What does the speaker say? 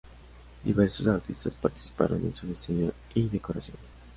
Diversos artistas participaron en su diseño y decoración.